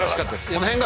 この辺が。